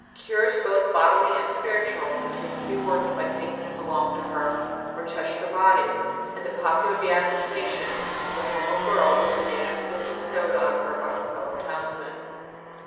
Cures, both bodily and spiritual, continued to be worked by things that had belonged to her or touched her body, and the popular beatification of the humble girl was unanimously bestowed by her fellow townsmen.